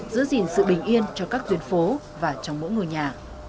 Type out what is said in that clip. giữ gìn sự bình yên cho các tuyến phố và trong mỗi ngôi nhà